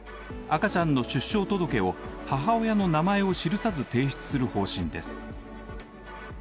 赤ちゃんの出生届を母親の名前を記さず提出する方針です。